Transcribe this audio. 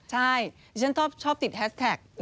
ใช่ดิฉันชอบติดแฮสแท็ก